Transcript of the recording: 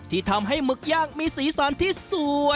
ที่ทำให้หมึกย่างมีสีส